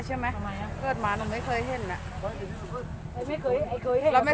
ใช่เขาเคยเข้ารถนอนสิได้บอกไง